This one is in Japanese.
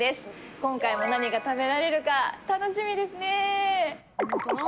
今回も何が食べられるか楽しみですね。